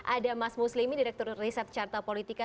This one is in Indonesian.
ada mas muslimi direktur riset carta politika